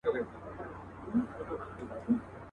په کټ کټ به په خندا سي.